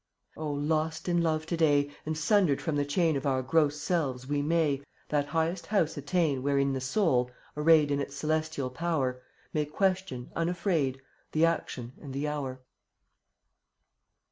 mn§ Oh, lost in love to day, d^ttldf And sundered from the chain ^ Of our gross selves, we may \J££' That highest House attain Wherein the soul, arrayed In its celestial power, May question, unafraid, The Action and the Hour.